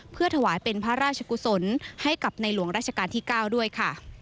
เพื่อถวายเป็นพระราชกุศลให้กับในหลวงราชการที่๙ด้วยค่ะ